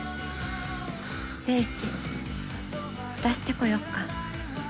精子出してこよっか。